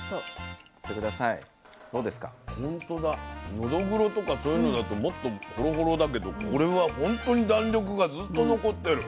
のどぐろとかそういうのだともっとホロホロだけどこれはほんとに弾力がずっと残ってる。